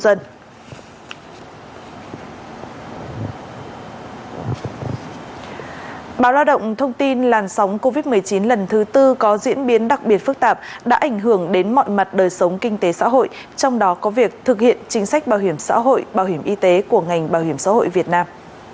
báo lao động thông tin làn sóng covid một mươi chín lần thứ tư có diễn biến đặc biệt phức tạp đã ảnh hưởng đến mọi mặt đời sống kinh tế xã hội trong đó có việc thực hiện chính sách bảo hiểm xã hội bảo hiểm y tế của ngành bảo hiểm xã hội việt nam